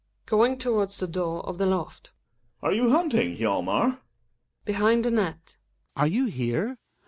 {Going towards the door of the hft.) Are you hunting, Hjalmar ? Hjalmar {behind the net). Are you here